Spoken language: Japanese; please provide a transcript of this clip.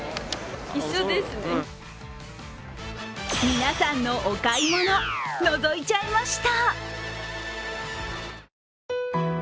皆さんのお買い物、のぞいちゃいました。